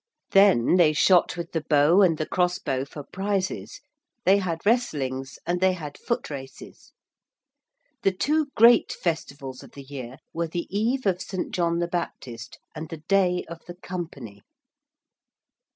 _)] Then they shot with the bow and the cross bow for prizes: they had wrestlings and they had foot races. The two great festivals of the year were the Eve of St. John the Baptist and the Day of the Company.